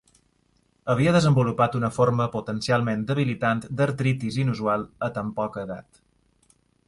Havia desenvolupat una forma potencialment debilitant d'artritis inusual a tan poca edat.